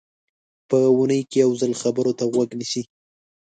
په اوونۍ کې یو ځل خبرو ته غوږ نیسي.